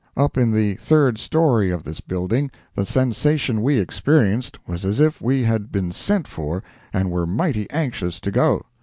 Up in the third story of this building the sensation we experienced was as if we had been sent for and were mighty anxious to go.